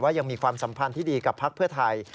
ยังมีความสัมพันธ์ที่ดีกับพักเพื่อไทย